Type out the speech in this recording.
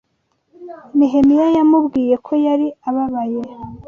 Nehemiya yamubwiye ko yari ababaye